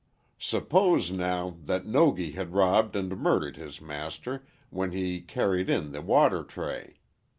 "Suppose, now, that Nogi had robbed and murdered his master, when he carried in the water tray.